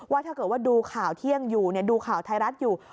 ถ้าเกิดว่าดูข่าวเที่ยงอยู่ดูข่าวไทยรัฐอยู่